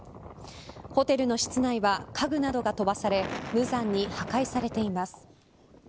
ホテルの室内は家具などが飛ばされ無残に破壊されています。